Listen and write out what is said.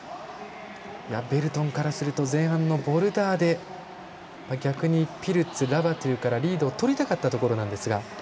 ベルトンからすると前半のボルダーで逆にピルツ、ラバトゥからリードをとりたかったところでしょうが。